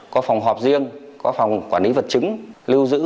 có phòng họp riêng có phòng quản lý vật chứng